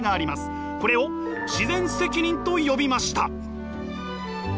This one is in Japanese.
これを自然責任と呼びました。